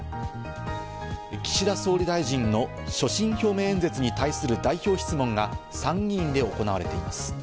岸田総理大臣の所信表明演説に対する代表質問が参議院で行われています。